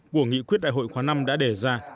của nghị quyết đại hội khóa năm đã đề ra